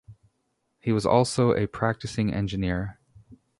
He was also a practicing engineer.